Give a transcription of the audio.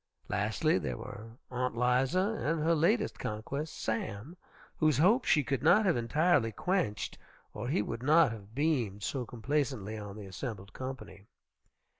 Lastly, there were Aunt 'Liza and her latest conquest, Sam, whose hopes she could not have entirely quenched or he would not have beamed so complacently on the assembled company.